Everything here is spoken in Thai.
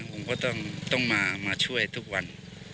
ผมก็ต้องมาช่วยทุกวัน